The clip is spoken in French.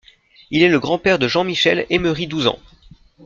Il est le grand-père de Jean-Michel Eymeri-Douzans.